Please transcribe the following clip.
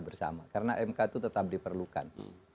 bersama karena mk itu tetap diperlukan